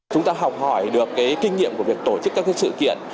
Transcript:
chúng ta học hỏi được kinh nghiệm của việc tổ chức các sự kiện